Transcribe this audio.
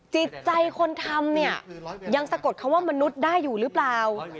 จิตใจคนทำเนี่ยยังสะกดคำว่ามนุษย์ได้อยู่หรือเปล่า